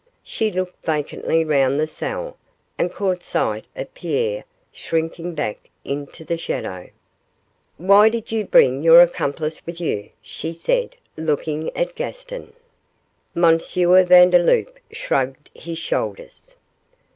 She looked vacantly round the cell, and caught sight of Pierre shrinking back into the shadow. 'Why did you bring your accomplice with you?' she said, looking at Gaston. M. Vandeloup shrugged his shoulders.